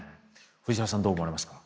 藤原さんどう思われますか？